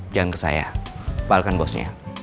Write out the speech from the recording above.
jangan ke saya pak alkan bosnya